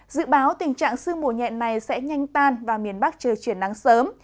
dự báo tình trạng sương mù nhẹ này sẽ nhanh tan và miền bắc trời chuyển nắng sớm